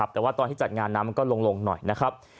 แต่ว่าตอนที่จัดงานน้ำมันก็ลงหน่อยนะครับ